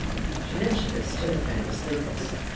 She mentioned this to her friend, Miss Lucas.